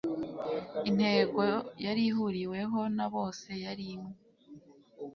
Intego yari ihuriweho na bose yari imwe